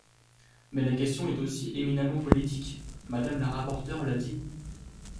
Mais la question est aussi éminemment politique, Madame la rapporteure l’a dit.